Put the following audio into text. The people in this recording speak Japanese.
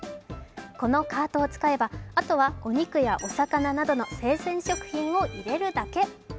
このカートを使えば、あとはお肉やお魚などの生鮮食品を入れるだけ。